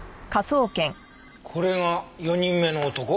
これが４人目の男？